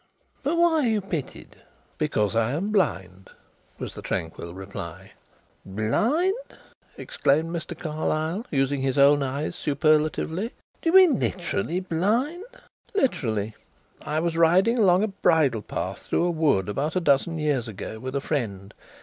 But why are you pitied?" "Because I am blind," was the tranquil reply. "Blind!" exclaimed Mr. Carlyle, using his own eyes superlatively. "Do you mean literally blind?" "Literally.... I was riding along a bridle path through a wood about a dozen years ago with a friend.